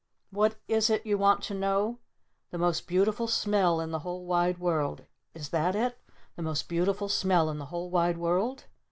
"What is it you want to know? The Most Beautiful Smell in the whole wide world, is that it? The Most Beautiful Smell in the whole wide world?"